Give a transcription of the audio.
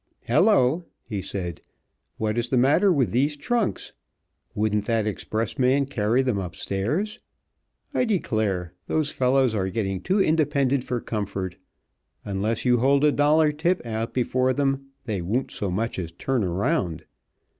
"Hello!" he said, "What is the matter with these trunks? Wouldn't that expressman carry them upstairs? I declare, those fellows are getting too independent for comfort. Unless you hold a dollar tip out before them they won't so much as turn around.